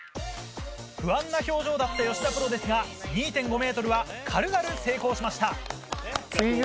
不安な表情だった吉田プロですが２．５ｍは軽々成功しました。